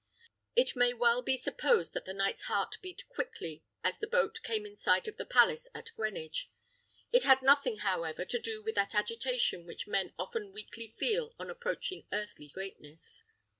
It may well be supposed that the knight's heart beat quickly as the boat came in sight of the palace at Greenwich. It had nothing, however, to do with that agitation which men often weakly feel on approaching earthly greatness.